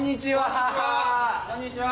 こんにちは。